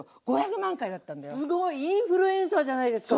すごい！インフルエンサーじゃないですか！